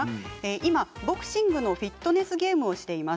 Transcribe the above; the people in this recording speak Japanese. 今ボクシングのフィットネスゲームをしています。